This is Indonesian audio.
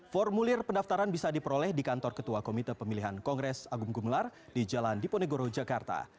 formulir pendaftaran bisa diperoleh di kantor ketua komite pemilihan kongres agung gumelar di jalan diponegoro jakarta